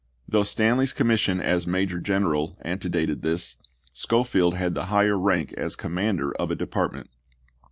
Though Stanley's commission as major general antedated his, Schofield had the higher rank as commander of a department.